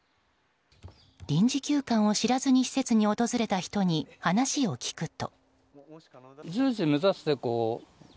臨時休館を知らずに施設に訪れた人に話を聞くと。